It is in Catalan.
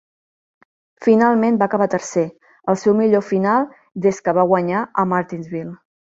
Finalment va acabar tercer; el seu millor final des que va guanyar a Martinsville.